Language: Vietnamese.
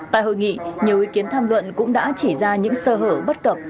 tại hội nghị nhiều ý kiến tham luận cũng đã chỉ ra những sơ hở bất cập